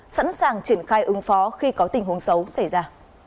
sẵn sàng triển khai ứng phó khi có tình huống xấu xảy ra